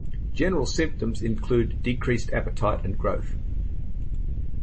General symptoms include decreased appetite and growth.